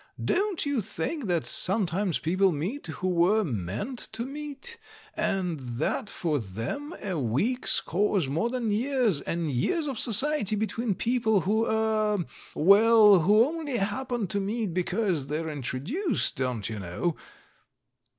Don't you think that some times people meet who were meant to meet, and that, for them, a week scores more than years and years of society between people who er — well, who only happen to meet because they're intro duced, don't you know?"